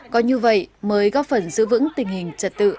có như vậy mới góp phần giữ vững tình hình trật tự